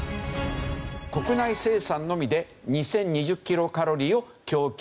国内生産のみで２０２０キロカロリーを供給する場合。